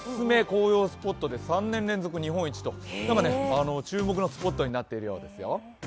紅葉スポットで３年連続日本一と注目のスポットになっているようですよ。